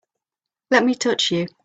Let me touch you!